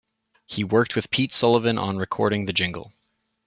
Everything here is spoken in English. He worked with Pete Sullivan on recording the jingle.